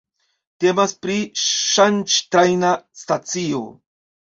Temas pri ŝanĝtrajna stacio.